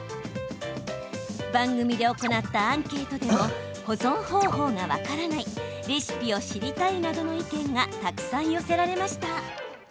番組で行ったアンケートでも「保存方法が分からない」「レシピを知りたい」などの意見がたくさん寄せられました。